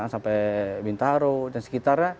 sampai bintaro dan sekitarnya